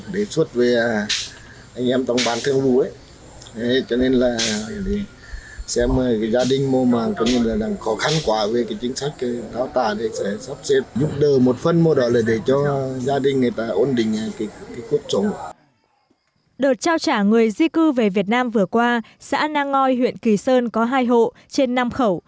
đợt trao trả người di cư về việt nam vừa qua xã nang ngoi huyện kỳ sơn có hai hộ trên năm khẩu